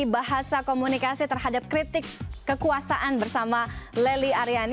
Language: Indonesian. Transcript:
bahasa komunikasi terhadap kritik kekuasaan bersama lely aryani